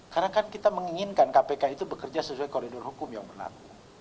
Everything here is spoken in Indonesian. karena kan kita menginginkan kpk itu bekerja sesuai koridor hukum yang pernah